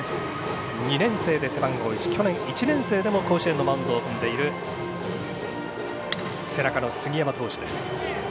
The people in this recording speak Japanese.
２年生で背番号１去年、１年生でも甲子園のマウンドを踏んでいる杉山投手。